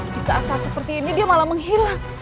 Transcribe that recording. di saat saat seperti ini dia malah menghilang